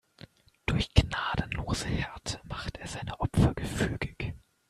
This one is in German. Durch gnadenlose Härte macht er seine Opfer gefügig.